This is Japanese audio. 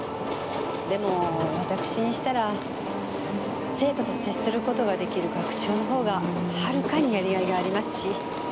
でもわたくしにしたら生徒と接する事が出来る学長の方がはるかにやり甲斐がありますし。